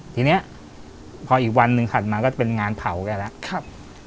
ทีนี้พออีกวันหนึ่งถัดมาก็เป็นงานเผาแกแล้ว